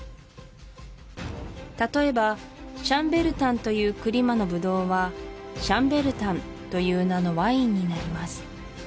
例えばシャンベルタンというクリマのブドウはシャンベルタンという名のワインになります